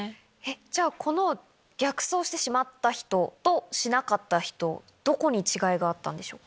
じゃあこの逆走してしまった人としなかった人どこに違いがあったんでしょうか？